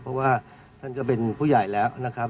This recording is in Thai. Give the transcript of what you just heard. เพราะว่าท่านก็เป็นผู้ใหญ่แล้วนะครับ